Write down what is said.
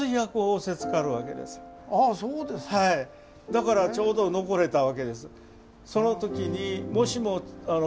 だからちょうど残れたわけです。